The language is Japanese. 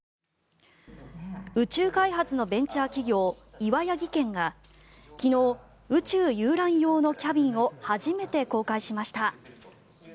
宇宙開発のベンチャー企業岩谷技研が昨日、宇宙遊覧用のキャビンを初めて公開しました。